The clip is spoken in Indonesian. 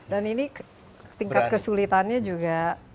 dan ini tingkat kesulitannya juga